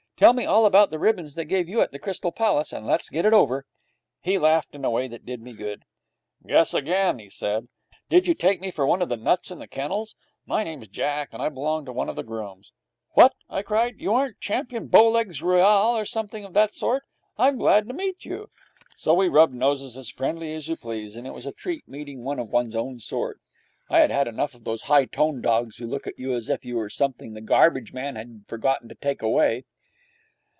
Tell me all about the ribbons they gave you at the Crystal Palace, and let's get it over.' He laughed in a way that did me good. 'Guess again!' he said. 'Did you take me for one of the nuts in the kennels? My name's Jack, and I belong to one of the grooms.' 'What!' I cried. 'You aren't Champion Bowlegs Royal or anything of that sort! I'm glad to meet you.' So we rubbed noses as friendly as you please. It was a treat meeting one of one's own sort. I had had enough of those high toned dogs who look at you as if you were something the garbage man had forgotten to take away.